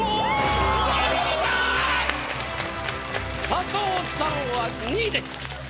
佐藤さんは２位です。